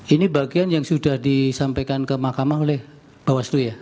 ini bagian yang sudah disampaikan ke makamah oleh pak waslu ya